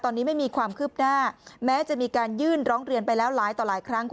ตอนนี้ไม่มีความคืบหน้าแม้จะมีการยื่นร้องเรียนไปแล้วหลายต่อหลายครั้ง